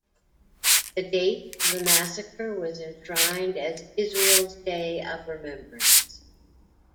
The date of the massacre was enshrined as Israel's Day of Remembrance.